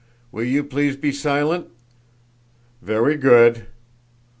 'Will you please be silent?' 'Vewy good!